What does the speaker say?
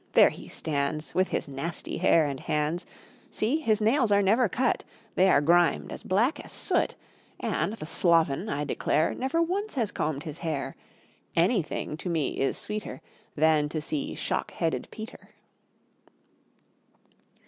there he stands, With his nasty hair and hands. See! his nails are never cut; They are grimed as black as soot; And the sloven, I declare, Never once has combed his hair; Anything to me is sweeter Than to see Shock headed Peter.